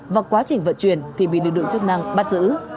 và quá trình vận chuyển thì bị đưa được chức năng bắt giữ